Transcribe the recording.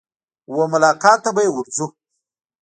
وه ملاقات ته به يې ورځو.